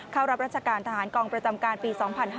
เข้ารับราชการทหารกองประจำการปี๒๕๕๙